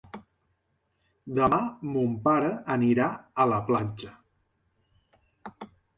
Demà mon pare anirà a la platja.